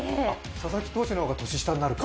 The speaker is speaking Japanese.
佐々木投手の方が年下になるのか。